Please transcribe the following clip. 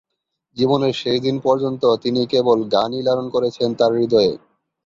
জীবনের শেষ দিন পর্যন্ত তিনি কেবল গান-ই লালন করেছেন তার হৃদয়ে।